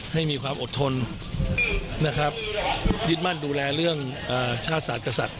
ให้มีความอดทนนะครับยึดมั่นดูแลเรื่องชาติศาสตร์กษัตริย